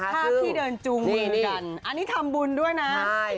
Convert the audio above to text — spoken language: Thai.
ท่าที่เดินจูงเงินกันอันนี้ทำบุญด้วยนะ